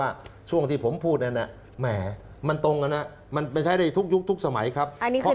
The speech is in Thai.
อันนี้คือท็อกโชว์แล้วใช่ไหมครับ